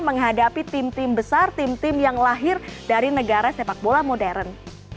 menghadapi tim tim besar tim tim yang lahir dari negara sepak bola modern